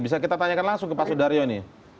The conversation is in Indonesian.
bisa kita tanyakan langsung ke pak sudaryo ini